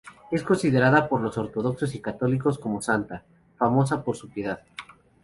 Es considerada por los ortodoxos y católicos como santa, famosa por su piedad.